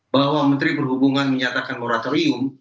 bahwa menteri perhubungan menyatakan moratorium